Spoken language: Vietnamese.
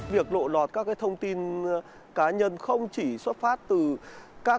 việc lộ đọt các thông tin cá nhân không chỉ xuất phát từ các tài khoản